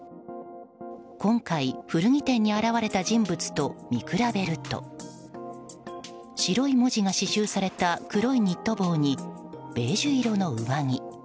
今回、古着店に現れた人物と見比べると白い文字が刺しゅうされた黒いニット帽にベージュ色の上着。